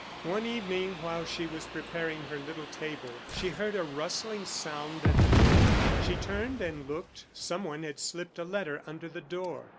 One evening, while she was preparing her little table, she heard a rustling sound at the door. She turned and looked; someone had slipped a letter under the door.